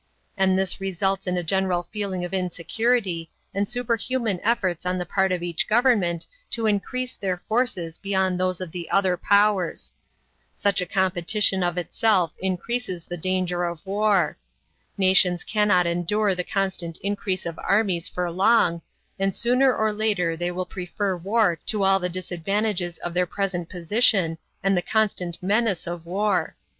And this results in a general feeling of insecurity and superhuman efforts on the part of each government to increase their forces beyond those of the other powers. Such a competition of itself increases the danger of war. Nations cannot endure the constant increase of armies for long, and sooner or later they will prefer war to all the disadvantages of their present position and the constant menace of war.